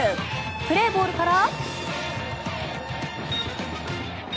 プレーボールから。